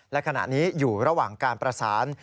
และขณะนี้อยู่ระหว่างการประสาน